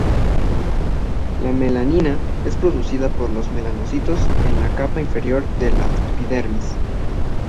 La melanina es producida por los melanocitos en la capa inferior de la epidermis.